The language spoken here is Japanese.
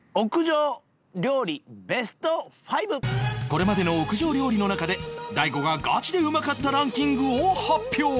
これまでの屋上料理の中で大悟がガチでうまかったランキングを発表！